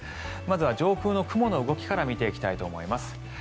まずは上空の雲の動きから見ていきたいと思います。